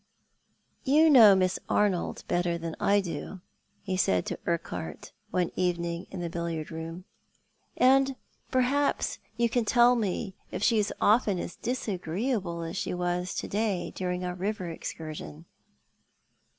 "You know Miss Arnold better than I do," he said to Urquhart one evening in the billiard room, " and perhaps you ^o TJlou a7't the Man. can tell me if slae is often as disagreeable as she was to day during our river excursion